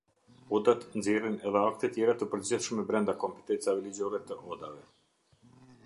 Odat nxjerrin edhe akte tjera të përgjithshme brenda kompetencave ligjore të Odave.